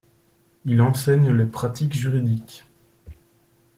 Il enseigne les pratiques juridiques.